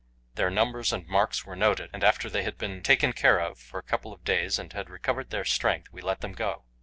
Their numbers and marks were noted, and after they had been taken care of for a couple of days and had recovered their strength, we let them go.